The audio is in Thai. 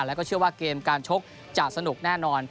แล้วก็เชื่อว่าเกมการชกจะสนุกแน่นอน